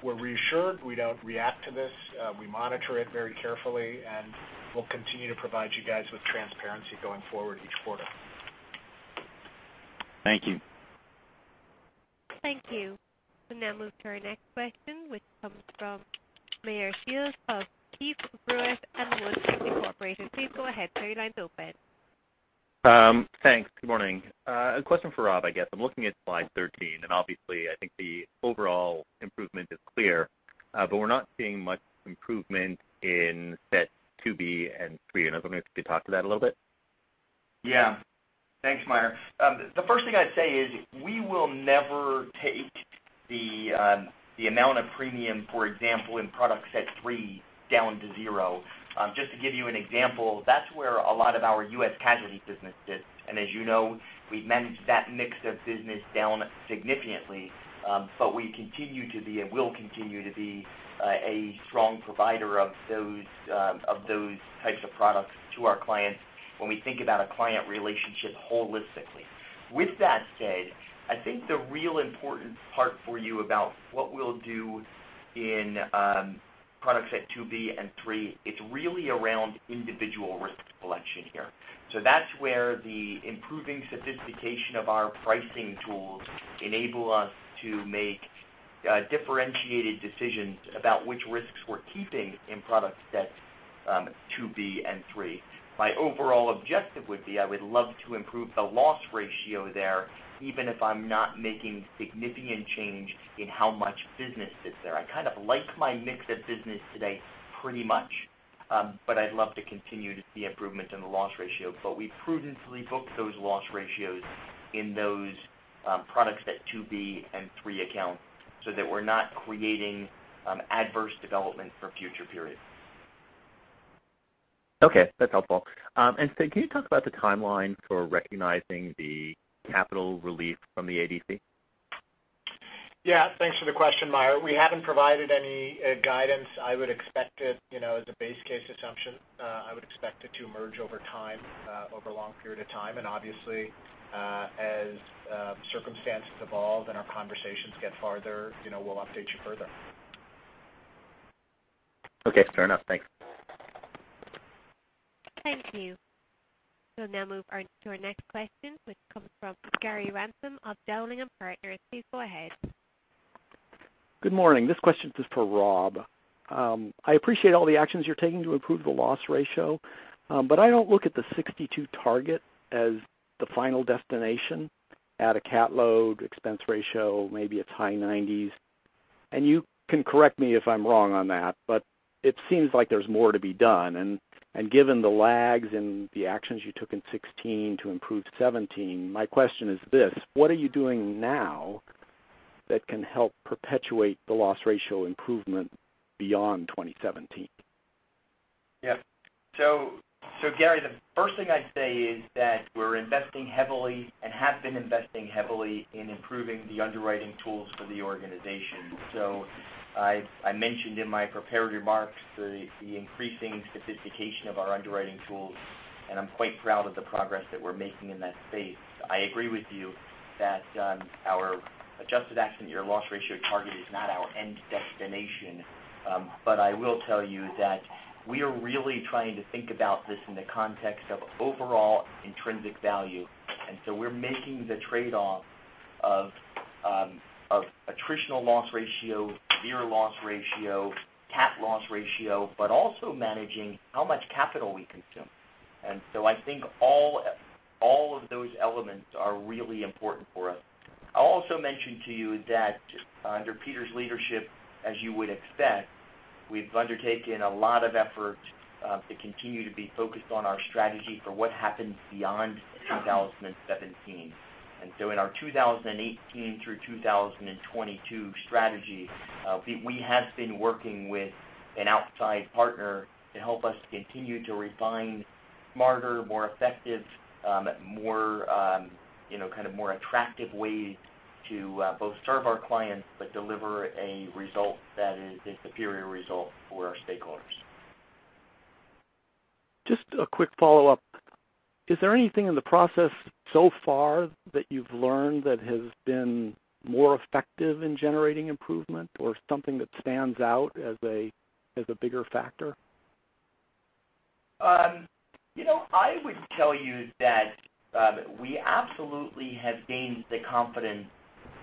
reassured. We don't react to this. We monitor it very carefully, and we'll continue to provide you guys with transparency going forward each quarter. Thank you. Thank you. We'll now move to our next question, which comes from Meyer Shields of Keefe, Bruyette & Woods. Please go ahead. Your line's open. Thanks. Good morning. A question for Rob, I guess. I'm looking at slide 13, and obviously, I think the overall improvement is clear, but we're not seeing much improvement in sets 2B and 3. I was wondering if you could talk to that a little bit. Thanks, Meyer. The first thing I'd say is we will never take the amount of premium, for example, in product set 3 down to zero. Just to give you an example, that's where a lot of our U.S. Casualty business sits, and as you know, we've managed that mix of business down significantly. We continue to be, and will continue to be, a strong provider of those types of products to our clients when we think about a client relationship holistically. With that said, I think the real important part for you about what we'll do in product set 2B and 3, it's really around individual risk selection here. That's where the improving sophistication of our pricing tools enable us to make differentiated decisions about which risks we're keeping in product sets 2B and 3. My overall objective would be, I would love to improve the loss ratio there, even if I'm not making significant change in how much business is there. I kind of like my mix of business today pretty much, but I'd love to continue to see improvement in the loss ratio. We prudently book those loss ratios in those product set 2B and 3 accounts so that we're not creating adverse development for future periods. Okay, that's helpful. Sid, can you talk about the timeline for recognizing the capital relief from the ADC? Yeah. Thanks for the question, Meyer. We haven't provided any guidance. As a base case assumption, I would expect it to emerge over time, over a long period of time. Obviously, as circumstances evolve and our conversations get farther, we'll update you further. Okay, fair enough. Thanks. Thank you. We'll now move on to our next question, which comes from Gary Ransom of Dowling & Partners. Please go ahead. Good morning. This question is for Rob. I appreciate all the actions you're taking to improve the loss ratio. I don't look at the 62% target as the final destination at a CAT load expense ratio, maybe it's high 90s%. You can correct me if I'm wrong on that, but it seems like there's more to be done. Given the lags and the actions you took in 2016 to improve 2017, my question is this: what are you doing now that can help perpetuate the loss ratio improvement beyond 2017? Gary, the first thing I'd say is that we're investing heavily and have been investing heavily in improving the underwriting tools for the organization. I mentioned in my prepared remarks the increasing sophistication of our underwriting tools, and I'm quite proud of the progress that we're making in that space. I agree with you that our adjusted accident year loss ratio target is not our end destination. I will tell you that we are really trying to think about this in the context of overall intrinsic value. We're making the trade-off of attritional loss ratio, year loss ratio, CAT loss ratio, but also managing how much capital we consume. I think all of those elements are really important for us. I'll also mention to you that under Peter's leadership, as you would expect, we've undertaken a lot of effort to continue to be focused on our strategy for what happens beyond 2017. In our 2018 through 2022 strategy, we have been working with an outside partner to help us continue to refine smarter, more effective, more attractive ways to both serve our clients, but deliver a result that is a superior result for our stakeholders. Just a quick follow-up. Is there anything in the process so far that you've learned that has been more effective in generating improvement or something that stands out as a bigger factor? I would tell you that we absolutely have gained the confidence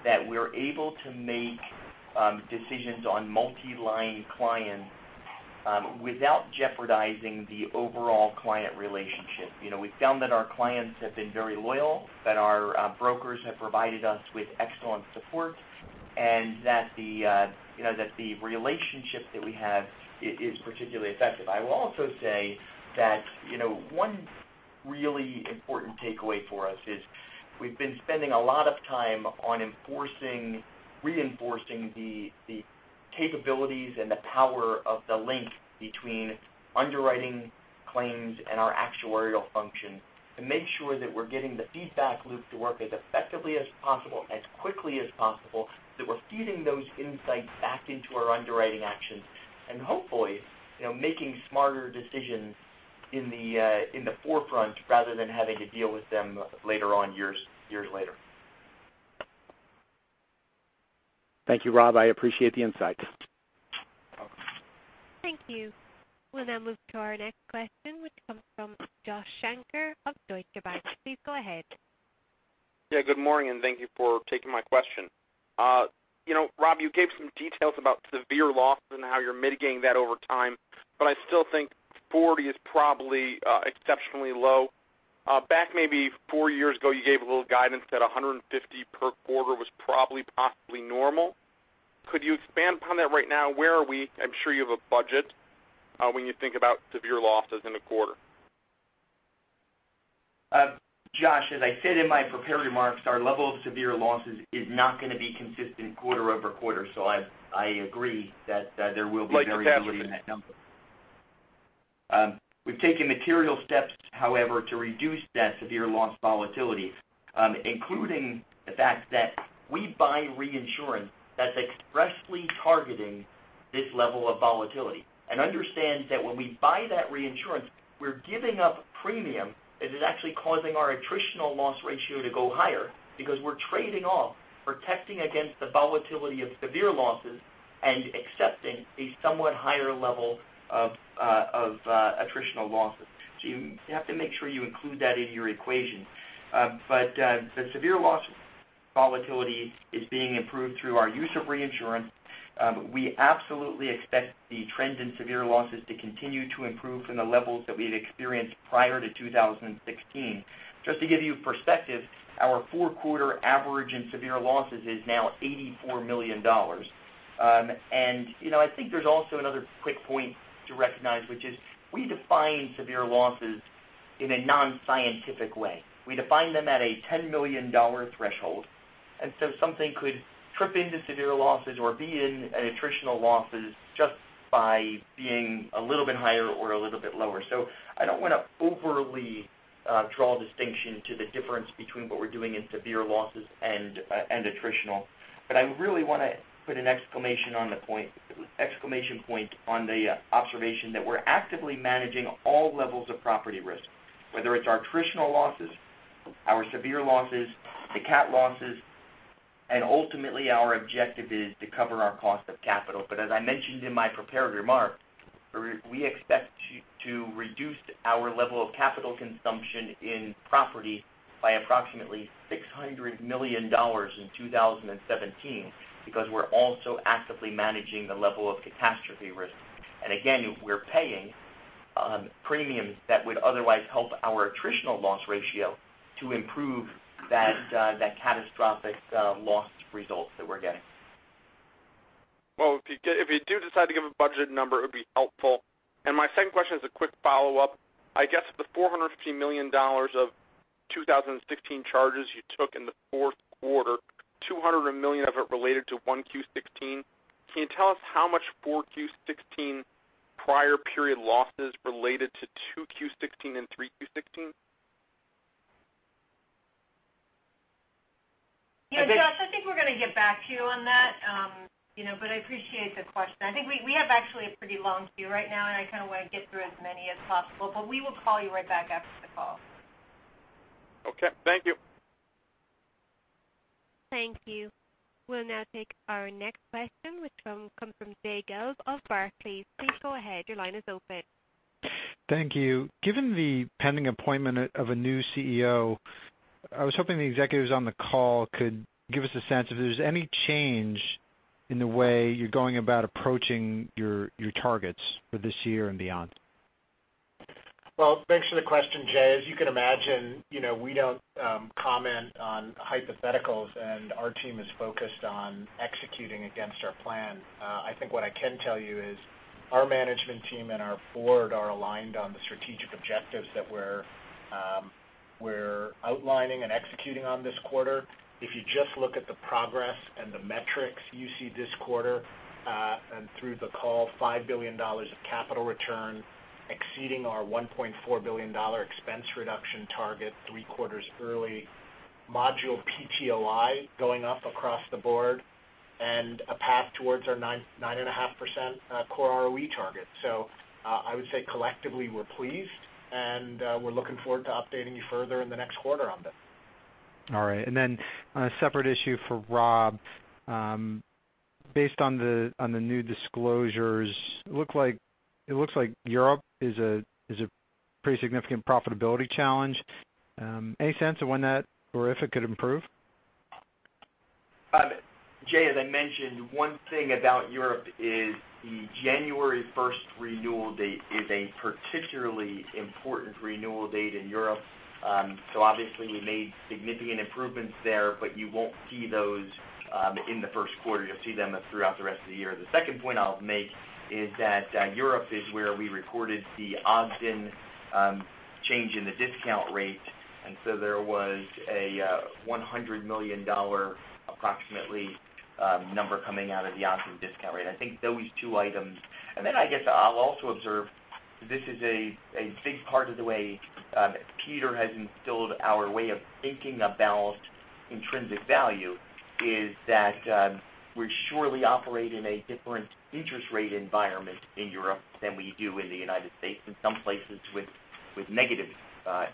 that we're able to make decisions on multi-line clients without jeopardizing the overall client relationship. We've found that our clients have been very loyal, that our brokers have provided us with excellent support, and that the relationship that we have is particularly effective. I will also say that one really important takeaway for us is we've been spending a lot of time on reinforcing the capabilities and the power of the link between underwriting claims and our actuarial function to make sure that we're getting the feedback loop to work as effectively as possible, as quickly as possible, that we're feeding those insights back into our underwriting actions. Hopefully, making smarter decisions in the forefront rather than having to deal with them later on, years later. Thank you, Rob. I appreciate the insight. Welcome. Thank you. We'll now move to our next question, which comes from Joshua Shanker of Deutsche Bank. Please go ahead. Yeah, good morning, and thank you for taking my question. Rob, you gave some details about severe loss and how you're mitigating that over time, but I still think 40 is probably exceptionally low. Back maybe four years ago, you gave a little guidance that 150 per quarter was probably possibly normal. Could you expand upon that right now? Where are we? I'm sure you have a budget when you think about severe losses in a quarter. Josh, as I said in my prepared remarks, our level of severe losses is not going to be consistent quarter-over-quarter. I agree that there will be variability in that number. Like the caption. We've taken material steps, however, to reduce that severe loss volatility. Including the fact that we buy reinsurance that's expressly targeting this level of volatility. Understand that when we buy that reinsurance, we're giving up premium that is actually causing our attritional loss ratio to go higher because we're trading off protecting against the volatility of severe losses and accepting a somewhat higher level of attritional losses. You have to make sure you include that in your equation. The severe loss volatility is being improved through our use of reinsurance. We absolutely expect the trend in severe losses to continue to improve from the levels that we'd experienced prior to 2016. Just to give you perspective, our four-quarter average in severe losses is now $84 million. I think there's also another quick point to recognize, which is we define severe losses in a non-scientific way. We define them at a $10 million threshold, something could trip into severe losses or be in attritional losses just by being a little bit higher or a little bit lower. I don't want to overly draw distinction to the difference between what we're doing in severe losses and attritional. I really want to put an exclamation point on the observation that we're actively managing all levels of property risk, whether it's our attritional losses, our severe losses, the CAT losses. Ultimately our objective is to cover our cost of capital. As I mentioned in my prepared remarks, we expect to reduce our level of capital consumption in property by approximately $600 million in 2017 because we're also actively managing the level of catastrophe risk. Again, we're paying premiums that would otherwise help our attritional loss ratio to improve that catastrophic loss results that we're getting. Well, if you do decide to give a budget number, it would be helpful. My second question is a quick follow-up. I guess the $450 million of 2016 charges you took in the fourth quarter, $200 million of it related to 1Q16. Can you tell us how much 4Q16 prior period losses related to 2Q16 and 3Q16? Yeah, Josh, I think we're going to get back to you on that. I appreciate the question. I think we have actually a pretty long queue right now, I kind of want to get through as many as possible, we will call you right back after the call. Okay. Thank you. Thank you. We'll now take our next question, which comes from Jay Gelb of Barclays. Please go ahead. Your line is open. Thank you. Given the pending appointment of a new CEO, I was hoping the executives on the call could give us a sense if there's any change in the way you're going about approaching your targets for this year and beyond. Well, thanks for the question, Jay. As you can imagine, we don't comment on hypotheticals, and our team is focused on executing against our plan. I think what I can tell you is our management team and our board are aligned on the strategic objectives that we're outlining and executing on this quarter. If you just look at the progress and the metrics you see this quarter, and through the call, $5 billion of capital return exceeding our $1.4 billion expense reduction target three quarters early, module PTOI going up across the board, and a path towards our 9.5% core ROE target. I would say collectively, we're pleased, and we're looking forward to updating you further in the next quarter on this. All right. A separate issue for Rob. Based on the new disclosures, it looks like Europe is a pretty significant profitability challenge. Any sense of when that, or if it could improve? Jay, as I mentioned, one thing about Europe is the January 1st renewal date is a particularly important renewal date in Europe. Obviously we made significant improvements there, but you won't see those in the first quarter. You'll see them throughout the rest of the year. The second point I'll make is that Europe is where we recorded the Ogden change in the discount rate, there was a $100 million approximately number coming out of the Ogden discount rate. I think those two items. I guess I'll also observe this is a big part of the way Peter has instilled our way of thinking about intrinsic value is that we surely operate in a different interest rate environment in Europe than we do in the United States, in some places with negative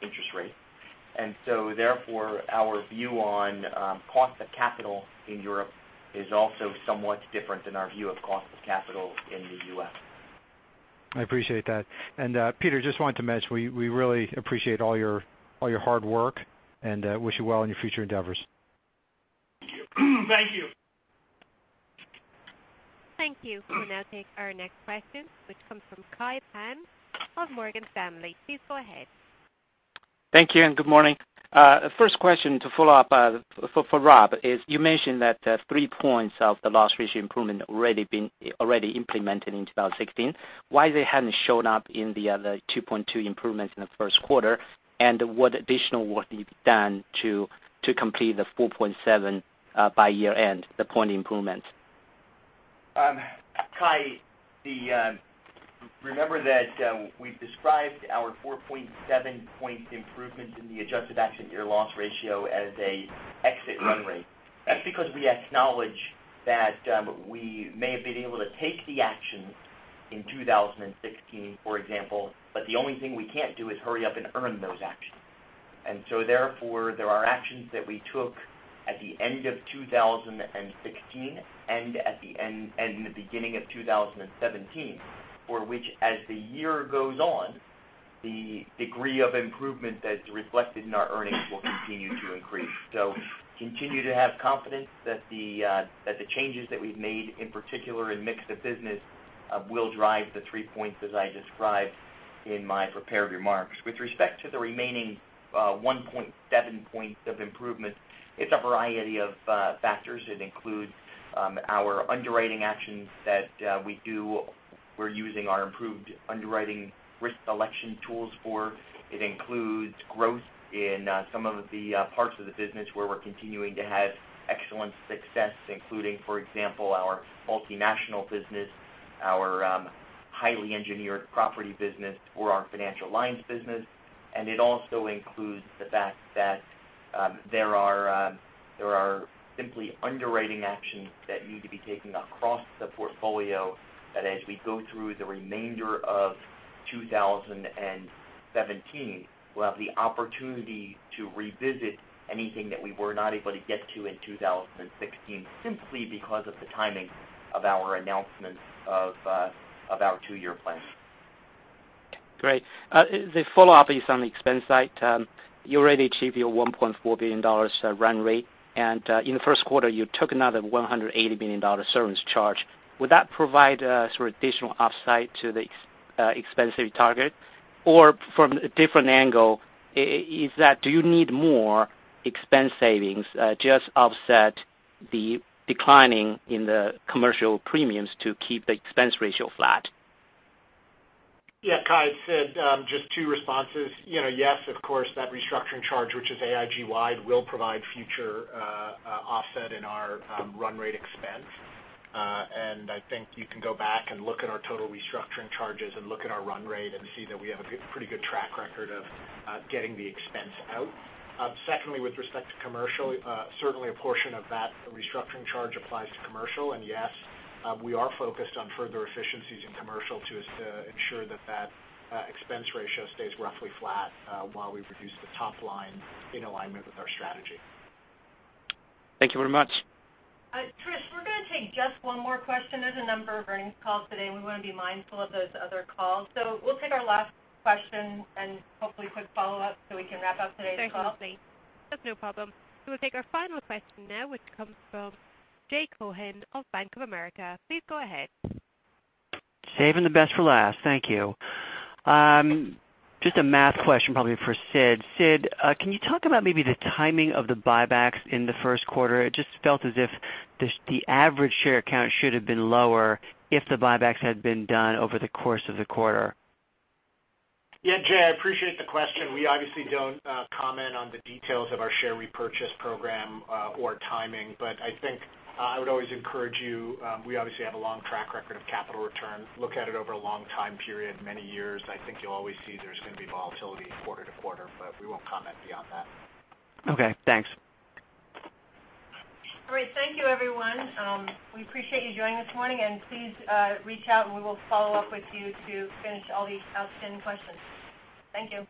interest rates. Therefore our view on cost of capital in Europe is also somewhat different than our view of cost of capital in the U.S. I appreciate that. Peter, just wanted to mention, we really appreciate all your hard work and wish you well in your future endeavors. Thank you. Thank you. We'll now take our next question, which comes from Kai Pan of Morgan Stanley. Please go ahead. Thank you. Good morning. First question to follow-up for Rob is you mentioned that three points of the loss ratio improvement already implemented in 2016. Why they haven't shown up in the other 2.2 improvements in the first quarter? What additional work needs to be done to complete the 4.7 by year-end, the point improvements? Kai, remember that we've described our 4.7 point improvement in the adjusted accident year loss ratio as an exit run rate. That's because we acknowledge that we may have been able to take the actions in 2016, for example, but the only thing we can't do is hurry up and earn those actions. Therefore, there are actions that we took at the end of 2016 and at the beginning of 2017, for which, as the year goes on, the degree of improvement that's reflected in our earnings will continue to increase. Continue to have confidence that the changes that we've made, in particular in mix of business, will drive the three points as I described in my prepared remarks. With respect to the remaining 1.7 points of improvement, it's a variety of factors. It includes our underwriting actions that we're using our improved underwriting risk selection tools for. It includes growth in some of the parts of the business where we're continuing to have excellent success, including, for example, our multinational business, our highly engineered property business or our financial lines business. It also includes the fact that there are simply underwriting actions that need to be taken across the portfolio that as we go through the remainder of 2017, we'll have the opportunity to revisit anything that we were not able to get to in 2016, simply because of the timing of our announcements of our two-year plan. Great. The follow-up is on the expense side. You already achieved your $1.4 billion run rate, and in the first quarter, you took another $180 million service charge. Would that provide a sort of additional upside to the expense savings target? From a different angle, do you need more expense savings just to offset the declining in the commercial premiums to keep the expense ratio flat? Yeah, Kai, Sid, just two responses. Yes, of course, that restructuring charge, which is AIG-wide, will provide future offset in our run rate expense. I think you can go back and look at our total restructuring charges and look at our run rate and see that we have a pretty good track record of getting the expense out. Secondly, with respect to commercial, certainly a portion of that restructuring charge applies to commercial. Yes, we are focused on further efficiencies in commercial to ensure that that expense ratio stays roughly flat while we reduce the top line in alignment with our strategy. Thank you very much. Trish, we're going to take just one more question. There's a number of earnings calls today, we want to be mindful of those other calls. We'll take our last question and hopefully a quick follow-up so we can wrap up today's call. Thank you. That's no problem. We'll take our final question now, which comes from Jay Cohen of Bank of America. Please go ahead. Saving the best for last. Thank you. Just a math question probably for Sid. Sid, can you talk about maybe the timing of the buybacks in the first quarter? It just felt as if the average share count should have been lower if the buybacks had been done over the course of the quarter. Yeah, Jay, I appreciate the question. We obviously don't comment on the details of our share repurchase program or timing, but I think I would always encourage you, we obviously have a long track record of capital return. Look at it over a long time period, many years. I think you'll always see there's going to be volatility quarter to quarter, but we won't comment beyond that. Okay, thanks. Great. Thank you, everyone. We appreciate you joining this morning, and please reach out and we will follow up with you to finish all the outstanding questions. Thank you.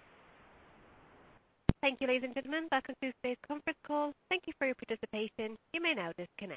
Thank you, ladies and gentlemen, that concludes today's conference call. Thank you for your participation. You may now disconnect.